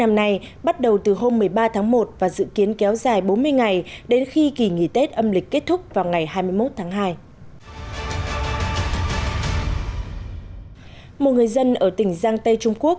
một bộ phim của một người dân ở tỉnh giang tây trung quốc